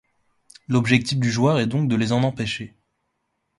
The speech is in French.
L'objectif du joueur est donc de les en empêcher.